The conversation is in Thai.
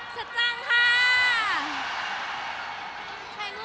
ขอบคุณครับ